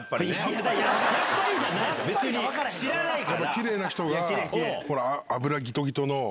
知らないから。